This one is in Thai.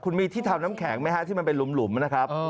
คุณมีที่ทำน้ำแข็งไหมฮะที่มันเป็นหลุมนะครับ